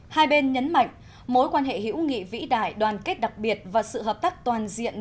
hai bên nhấn mạnh mối quan hệ hữu nghị vĩ đại đoàn kết đặc biệt và sự hợp tác toàn diện